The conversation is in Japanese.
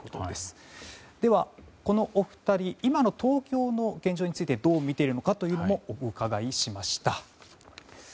では、このお二人今の東京の現状についてどう見ているのかというのもお伺いしました。